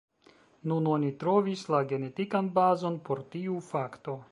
Nun oni trovis la genetikan bazon por tiu fakto.